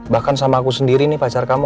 bahkan sama aku sendiri nih pacar kamu